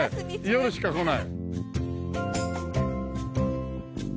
夜しか来ない。